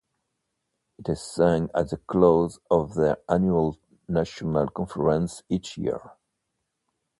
It is sung at the close of their annual national conference each year.